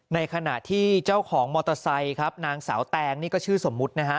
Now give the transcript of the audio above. ในขณะที่เจ้าของมอเตอร์ไซค์ครับนางสาวแตงนี่ก็ชื่อสมมุตินะฮะ